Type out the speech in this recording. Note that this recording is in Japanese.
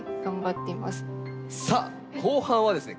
さあ後半はですね